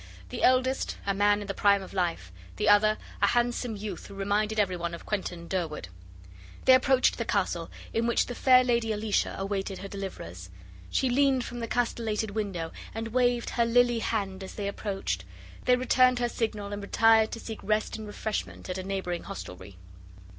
The eldest, a man in the prime of life; the other a handsome youth who reminded everybody of Quentin Durward. They approached the Castle, in which the fair Lady Alicia awaited her deliverers. She leaned from the castellated window and waved her lily hand as they approached. They returned her signal, and retired to seek rest and refreshment at a neighbouring hostelry.